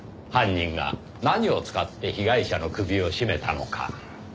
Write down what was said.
犯人が何を使って被害者の首を絞めたのか。